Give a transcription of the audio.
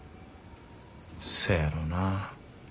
せやろな。